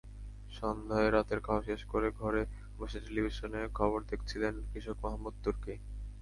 সন্ধ্যায় রাতের খাওয়া শেষ করে ঘরে বসে টেলিভিশনে খবর দেখছিলেন কৃষক মাহমুদ তুরকি।